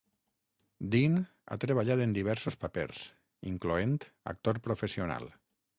Dean ha treballat en diversos papers, incloent actor professional.